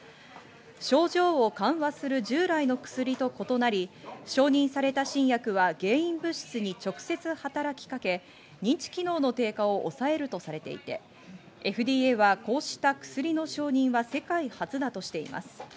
症状を緩和する従来の薬と異なり、承認された新薬は原因物質に直接働きかけ認知機能の低下を抑えるとされていて、ＦＤＡはこうした薬の承認は世界初だとしています。